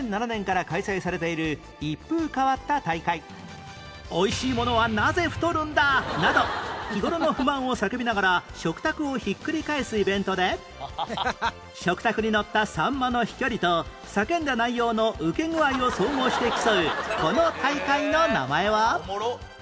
矢巾町で「おいしいものはなぜ太るんだ！」など日頃の不満を叫びながら食卓をひっくり返すイベントで食卓にのったサンマの飛距離と叫んだ内容のウケ具合を総合して競うこの大会の名前は？